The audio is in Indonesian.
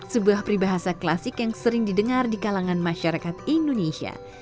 sebuah peribahasa klasik yang sering didengar di kalangan masyarakat indonesia